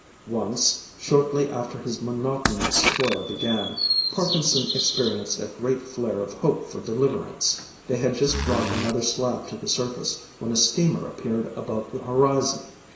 Once, shortly after his monotonous toil began, Parkinson experienced a great flare of hope for deliverance. They had just brought another slab to the surface, when a steamer appeared above the horizon.